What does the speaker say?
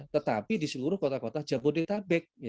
tetapi di seluruh kota kota jabodetabek